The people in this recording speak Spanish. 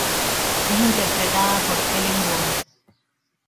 Es interpretada por Ellen Wong.